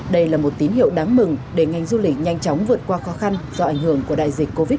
đây là một tín hiệu đáng mừng để ngành du lịch nhanh chóng vượt qua khó khăn do ảnh hưởng của đại dịch covid một mươi chín